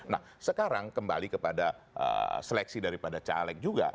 nah sekarang kembali kepada seleksi daripada caleg juga